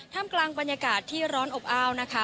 กลางบรรยากาศที่ร้อนอบอ้าวนะคะ